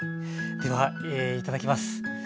ではいただきます。